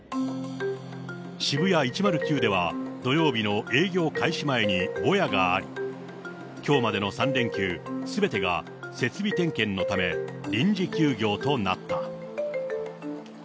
シブヤ１０９では、土曜日の営業開始前にぼやがあり、きょうまでの３連休、すべてが設備点検のため臨時休業となった。